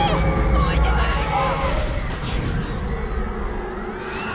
・置いていかないで！